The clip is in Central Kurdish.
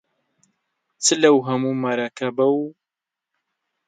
چ لەو هەموو مەرەکەب و